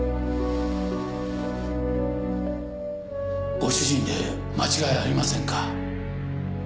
ご主人で間違いありませんか？